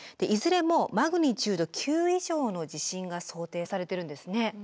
いずれもマグニチュード９以上の地震が想定されてるんですね。